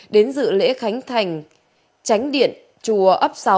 đến dự lễ khánh thành tránh điện chùa ấp sáu